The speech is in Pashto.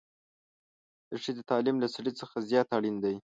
د ښځې تعليم له سړي څخه زيات اړين دی